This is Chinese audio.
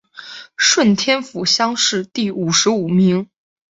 顺天府乡试第五十五名。